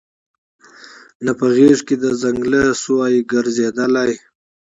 نه په غېږ کي د ځنګله سوای ګرځیدلای